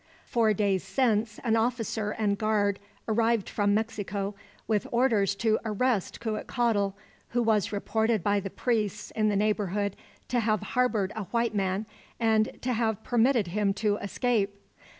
Four days since, an officer and guard arrived from Mexico, with orders to arrest Cuitcatl, who was reported by the priests in the neighborhood to have harbored a white man, and to have permitted him to escape.